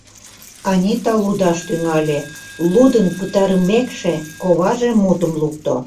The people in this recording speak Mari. Анита лудаш тӱҥале, лудын пытарымекше, коваже мутым лукто: